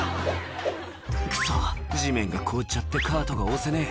「クソ地面が凍っちゃってカートが押せねえ」